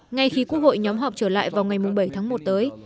ngay khi quốc hội nhóm họp trở lại vào ngày bảy tháng một tới